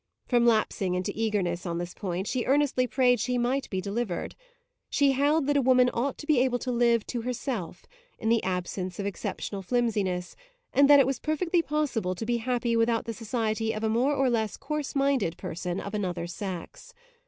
From lapsing into eagerness on this point she earnestly prayed she might be delivered; she held that a woman ought to be able to live to herself, in the absence of exceptional flimsiness, and that it was perfectly possible to be happy without the society of a more or less coarse minded person of another sex.